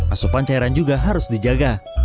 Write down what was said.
asupan cairan juga harus dijaga